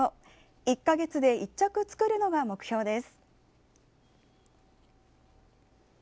１か月で１着作るのが目標です。